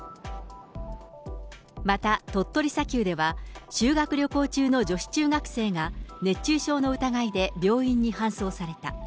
また鳥取砂丘では、修学旅行中の女子中学生が、熱中症の疑いで病院に搬送された。